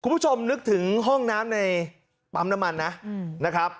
คุณผู้ชมนึกถึงห้องน้ำในปั๊มน้ำมันนะครับ